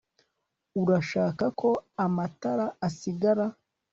Urashaka ko amatara asigara